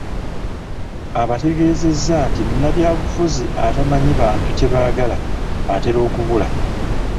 Abategeezezza nti munnabyabufuzi atamanyi bantu kye baagala atera okubula .